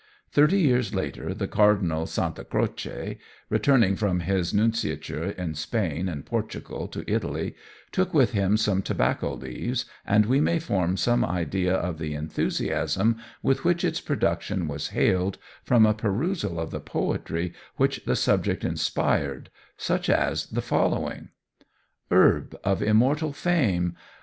Thirty years later the Cardinal Santa Croce, returning from his nunciature in Spain and Portugal to Italy, took with him some tobacco leaves, and we may form some idea of the enthusiasm with which its production was hailed, from a perusal of the poetry which the subject inspired, such as the following: Herb of immortal fame!